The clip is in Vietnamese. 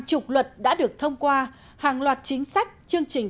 và trong hai năm qua hàng chục luật đã được thông qua hàng loạt chính sách chương trình